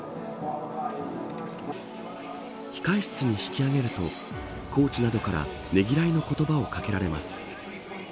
控え室に引き上げるとコーチなどからねぎらいの言葉をかけられます。